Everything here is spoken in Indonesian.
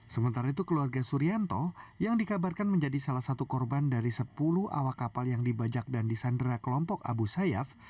sementara itu keluarga surianto yang dikabarkan menjadi salah satu korban dari sepuluh awak kapal yang dibajak dan disandera kelompok abu sayyaf